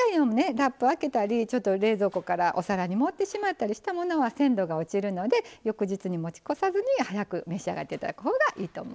ラップ開けたりちょっと冷蔵庫からお皿に盛ってしまったりしたものは鮮度が落ちるので翌日に持ち越さずに早く召し上がって頂くほうがいいと思います。